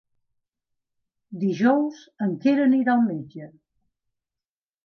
Dijous en Quer anirà al metge.